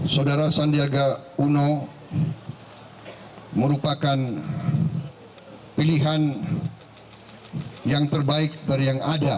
saudara sandiaga uno merupakan pilihan yang terbaik dari yang ada